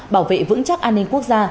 bảo vệ vững chắc an ninh quốc gia